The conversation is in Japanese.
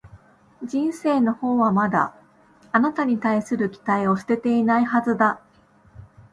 人生のほうはまだ、あなたに対する期待を捨てていないはずだ